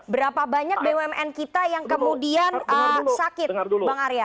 berapa banyak bumn kita yang kemudian sakit bang arya